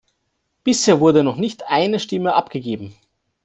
Bisher wurde noch nicht eine Stimme abgegeben.